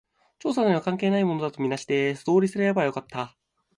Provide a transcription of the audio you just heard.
調査には関係ないものだと見なして、素通りすればよかった